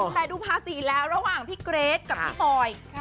แต่ดูภาษีแล้วระหว่างพี่เกรทกับพี่ปอย